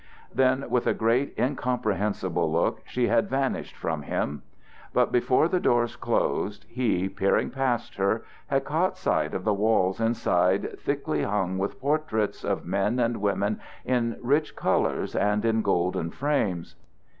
Then with a great incomprehensible look she had vanished from him. But before the doors closed, he, peering past her, had caught sight of the walls inside thickly hung with portraits of men and women in rich colors and in golden frames.